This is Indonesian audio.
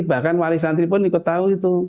bahkan wali santri pun diketahui